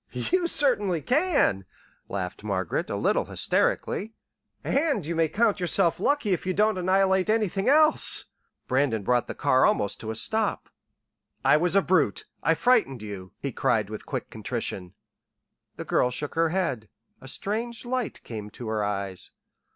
"You certainly can," laughed Margaret, a little hysterically. "And you may count yourself lucky if you don't annihilate anything else." Brandon brought the car almost to a stop. "I was a brute. I frightened you," he cried with quick contrition. The girl shook her head. A strange light came to her eyes.